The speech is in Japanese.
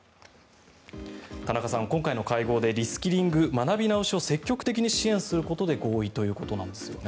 田中さん、今回の会合でリスキリング、学び直しを積極的に支援することで合意ということなんですよね。